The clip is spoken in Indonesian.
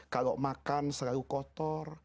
kalau makan selalu kotor